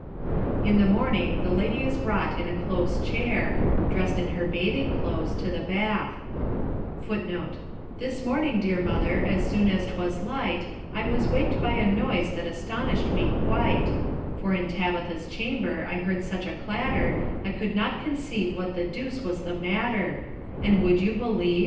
In the morning the lady is brought in a close chair, dressed in her bathing clothes, 1 to the bath ; and, being in the water, the woman who 1 "This morning, dear mother, as soon as 'twas light I was wak'd by a noise that astonish'd me quite ; For in Tabitha's chamber I heard such a clatter, I could not conceive what the deuce was the matter ; And would you believe